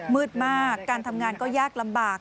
มืดมากการทำงานก็ยากลำบาก